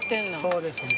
そうです。